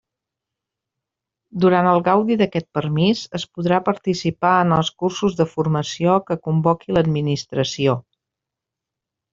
Durant el gaudi d'aquest permís es podrà participar en els cursos de formació que convoque l'Administració.